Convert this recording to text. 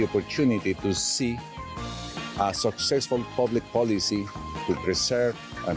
แผลขิงเมือง